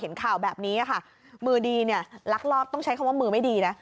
พอเห็นข่าวแบบนี้ดีเนี่ยลักลอบต้องใช้แล้วว่าไม่ดี